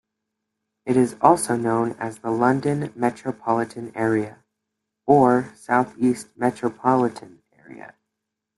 It is also known as the London metropolitan area, or Southeast metropolitan area.